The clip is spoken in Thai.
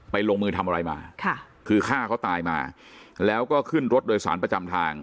ลงมือทำอะไรมาค่ะคือฆ่าเขาตายมาแล้วก็ขึ้นรถโดยสารประจำทาง